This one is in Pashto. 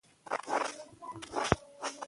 کبير: هغه ماته په مخه راغلو.